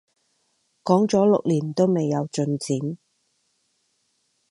講咗六年都未有進展